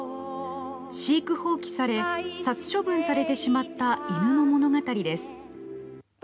飼育放棄され殺処分されてしまった犬の物語です。